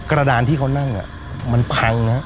กระดานที่เขานั่งมันพังนะ